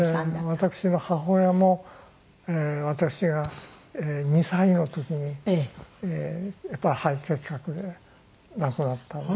私の母親も私が２歳の時にやっぱり肺結核で亡くなったんですね。